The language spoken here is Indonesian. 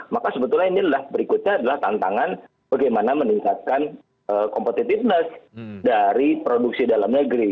maka sebetulnya ini adalah berikutnya adalah tantangan bagaimana meningkatkan competitiveness dari produksi dalam negeri